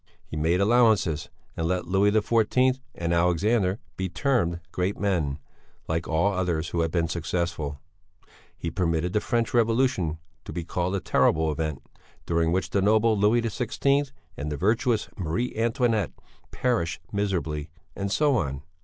He made allowances, and let Louis XIV and Alexander be termed great men, like all others who had been successful; he permitted the French Revolution to be called a terrible event, during which the noble Louis XVI and the virtuous Marie Antoinette perished miserably, and so on.